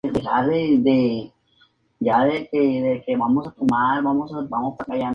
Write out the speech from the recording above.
Es pequeño, crujiente.